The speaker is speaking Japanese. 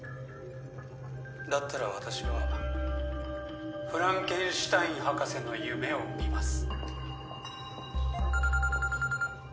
だったら私はフランケンシュタイン博士の夢を見ます。